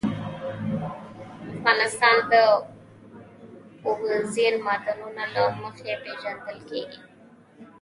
افغانستان د اوبزین معدنونه له مخې پېژندل کېږي.